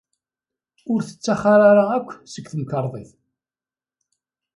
Ur tettaxer ara akk seg temkarḍit.